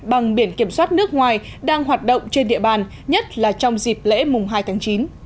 bằng biển kiểm soát nước ngoài đang hoạt động trên địa bàn nhất là trong dịp lễ mùng hai tháng chín